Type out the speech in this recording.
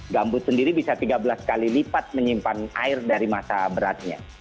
gambut sendiri bisa tiga belas kali lipat menyimpan air dari masa beratnya